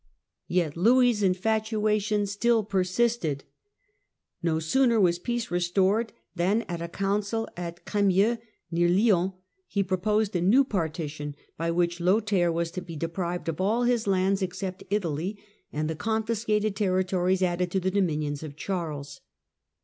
Yet Louis' infatuation still persisted. No sooner was peace restored than, at a council at Cremieux, near Lyons, he proposed a new partition, by which Lothair was to be deprived of all his lands except Italy, and the confiscated territories added to the dominions of Charles.